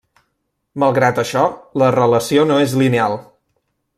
Malgrat això, la relació no és lineal.